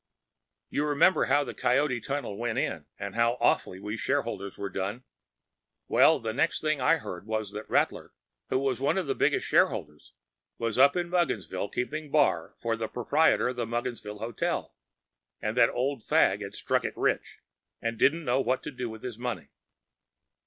You remember how the Coyote Tunnel went in, and how awfully we shareholders were done! Well, the next thing I heard was that Rattler, who was one of the heaviest shareholders, was up at Mugginsville keeping bar for the proprietor of the Mugginsville Hotel, and that Old Fagg had struck it rich, and didn’t know what to do with his money.